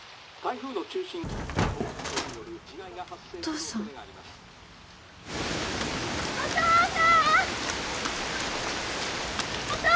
お父さん！